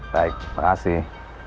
baik terima kasih